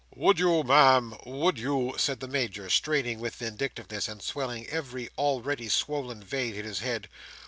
"Would you, Ma'am, would you!" said the Major, straining with vindictiveness, and swelling every already swollen vein in his head.